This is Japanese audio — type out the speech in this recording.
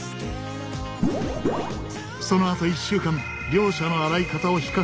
そのあと１週間両者の洗い方を比較。